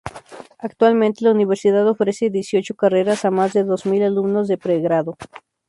Actualmente, la universidad ofrece dieciocho carreras a más de dos mil alumnos de pregrado.